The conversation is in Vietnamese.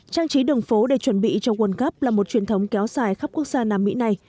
trang trí đường phố để chuẩn bị cho world cup là một truyền thống kéo xài khắp quốc gia nam mỹ này